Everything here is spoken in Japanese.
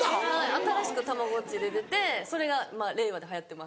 新しくたまごっち出ててそれが令和で流行ってます